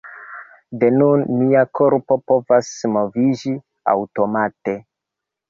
De nun, mia korpo povas moviĝi aŭtomate.